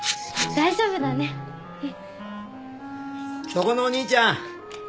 そこのお兄ちゃん。